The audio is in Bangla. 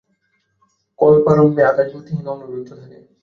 কল্পারম্ভে আকাশ গতিহীন, অনভিব্যক্ত থাকে।